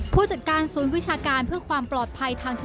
ผู้จัดการศูนย์วิชาการเพื่อความปลอดภัยทางเทค